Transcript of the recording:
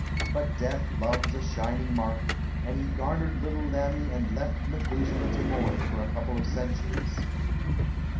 But death loves a shining mark, and he garnered little Lammie and left Methuselah to mourn for a couple of centuries.